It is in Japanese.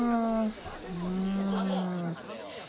うん。